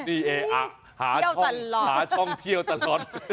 นี่เออหาช่องเที่ยวตลอด